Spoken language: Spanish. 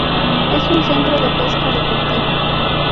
Es un centro de pesca deportiva.